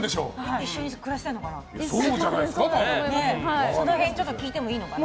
一緒に暮らしてるのかな？